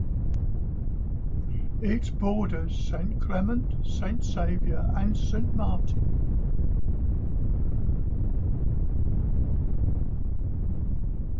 It borders Saint Clement, Saint Saviour and Saint Martin.